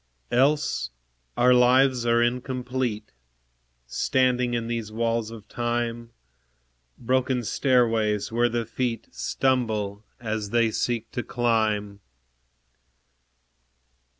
Else our lives are incomplete, Standing in these walls of Time, Broken stairways, where the feet Stumble as they seek to climb.